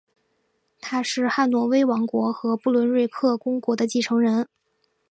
他是汉诺威王国和不伦瑞克公国的继承人。